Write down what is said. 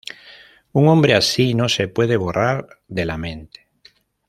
Un hombre así no se puede borrar de la mente.